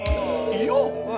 いよ？